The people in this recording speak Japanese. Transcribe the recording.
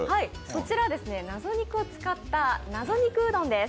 そちら、謎肉を使った謎肉うどんです。